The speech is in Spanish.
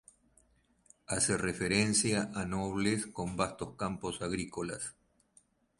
Hace referencia a nobles con vastos campos agrícolas.